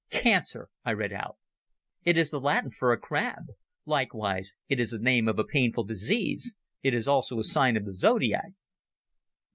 "Cancer," I read out. "It is the Latin for a crab. Likewise it is the name of a painful disease. It is also a sign of the Zodiac."